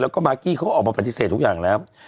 แล้วก็มากกี้เขาก็ออกมาปฏิเสธทุกอย่างแล้ว